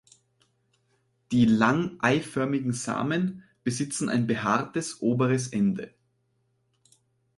Die lang-eiförmigen Samen besitzen ein behaartes oberes Ende.